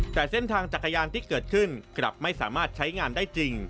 แต่เส้นทางจักรยานที่เกิดขึ้นกลับไม่สามารถใช้งานได้จริง